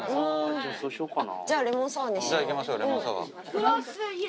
じゃあそうしようかな。